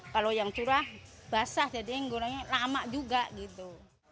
kalau yang curah basah jadi yang gorengnya lama juga gitu